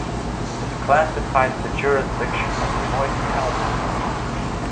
This classifies the jurisdiction as a moist county.